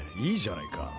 いいじゃないか」